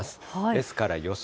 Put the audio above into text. ですから予想